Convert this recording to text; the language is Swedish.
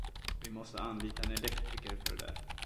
Vi måste anlita en elektriker för det där.